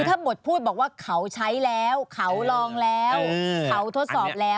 ถ้าบทพูดบอกว่าเขาใช้แล้วเขาลองแล้วเขาทดสอบแล้ว